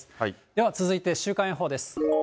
では続いて週間予報です。